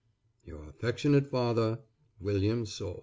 Your affectionate father, WILLIAM SOULE.